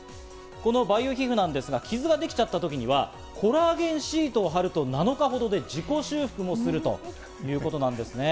この培養皮膚なんですが、傷ができちゃった時にはコラーゲンシートを貼ると、７日ほどで自己修復もするということなんですね。